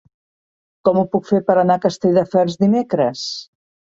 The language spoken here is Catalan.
Com ho puc fer per anar a Castelldefels dimecres?